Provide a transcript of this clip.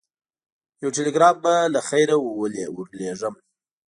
یو ټلګراف به له خیره ورلېږم.